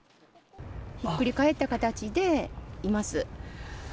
ひっくり返った形でいます。